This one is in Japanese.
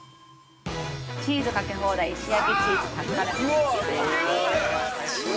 ◆チーズかけ放題石焼チーズタッカルビです。